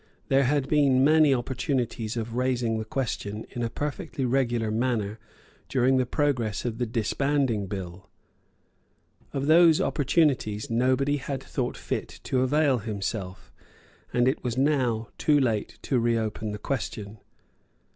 There had been many opportunities of raising the question in a perfectly regular manner during the progress of the Disbanding Bill. Of those opportunities nobody had thought fit to avail himself; and it was now too late to reopen the question.